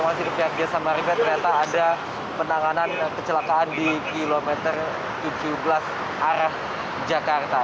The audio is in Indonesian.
masih di pihak jaya samaripet ternyata ada penanganan kecelakaan di kilometer tujuh belas arah jakarta